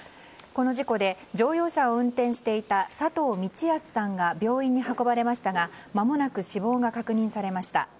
この事故で乗用車を運転していた佐藤道康さんが病院に運ばれましたがまもなく死亡が確認されました。